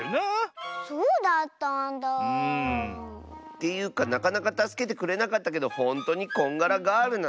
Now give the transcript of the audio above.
ていうかなかなかたすけてくれなかったけどほんとにこんがらガールなの？